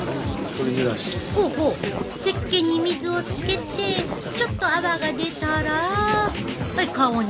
ほうほうせっけんに水をつけてちょっと泡が出たら顔に。